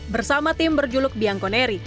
bersama tim berjuluk bianconeri